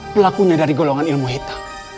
pelakunya dari golongan ilmu hitam